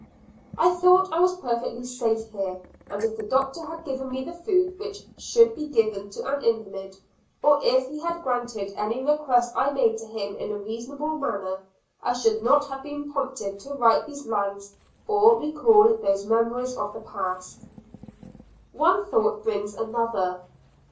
I thought I was perfectly safe here, and if the Doctor had given me the food which should be given to an invalid, or if he had granted any requests I made to him in a reasonable manner, I should not have been prompted to write these lines or recall those memories of the past. One thought brings another.